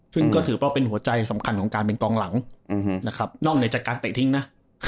ซึ่งก็ถือว่าเป็นหัวใจสำคัญของการเป็นกองหลังนะครับนอกเหนือจากการเตะทิ้งนะ